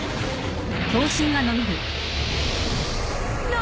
何？